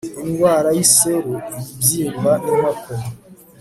Indwara yiseru ibibyimba ninkoko